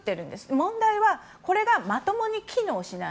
問題はこれがまともに機能しない。